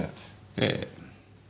ええ。